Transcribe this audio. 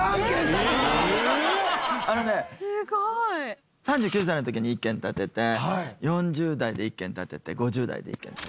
すごい！３９歳の時に１軒建てて４０代で１軒建てて５０代で１軒建てた。